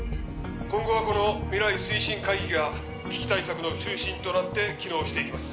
今後はこの未来推進会議が危機対策の中心となって機能していきます